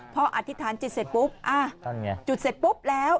พออธิษฐานจิตเสร็จปุ๊บจุดเสร็จปุ๊บแล้ว